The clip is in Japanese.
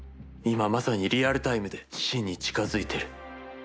いままさにリアルタイムで死に近づいている。